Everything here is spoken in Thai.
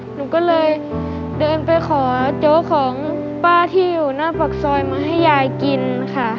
หนูก็เลยเดินไปขอโจ๊กของป้าที่อยู่หน้าปากซอยมาให้ยายกินค่ะ